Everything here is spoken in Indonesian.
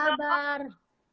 dokter sehat dong